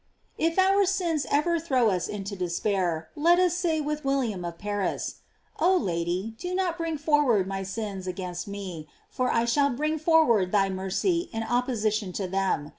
J If our sins ever throw us into despair, let us say with William of Paris: Oh Lady, do not bring forward my sins against me, for I shall bring forward thy mercy in opposition to them.